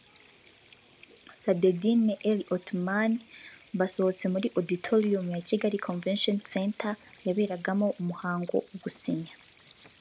Saâdeddine El Othmani basohotse muri Auditorium ya Kigali Convention Centre yaberagamo umuhango wo gusinya